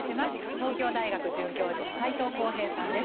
東京大学准教授の斎藤幸平さんです。